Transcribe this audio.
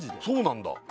そうなんだ